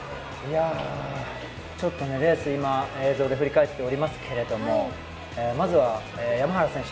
ちょっとレース今、映像で振り返っておりますけれども、まずは山原選手。